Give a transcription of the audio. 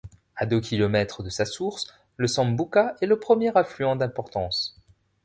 A deux kilomètres de sa source, le Sambuca est le premier affluent d’importance.